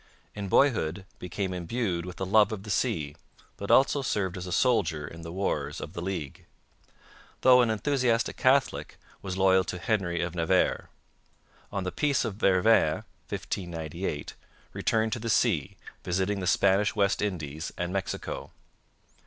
In boyhood became imbued with a love of the sea, but also served as a soldier in the Wars of the League. Though an enthusiastic Catholic, was loyal to Henry of Navarre. On the Peace of Vervins (1598) returned to the sea, visiting the Spanish West Indies and Mexico.